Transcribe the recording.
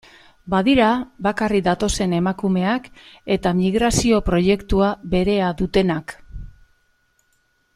Badira bakarrik datozen emakumeak eta migrazio proiektua berea dutenak.